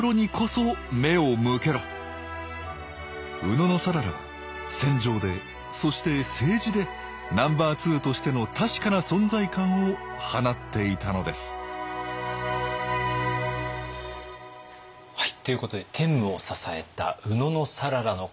野讃良は戦場でそして政治でナンバーツーとしての確かな存在感を放っていたのですはいということで天武を支えた野讃良の活躍を見てまいりました。